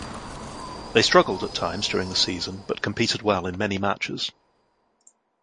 They struggled at times during the season but competed well in many matches.